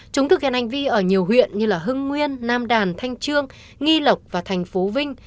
chúng thực hiện hành vi ở nhiều huyện như hưng nguyên nam đàn thanh trương nghi lộc và thành phố vinh